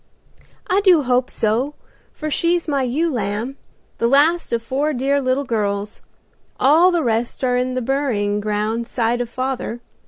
"I do hope so, for she's my ewe lamb, the last of four dear little girls; all the rest are in the burying ground 'side of father.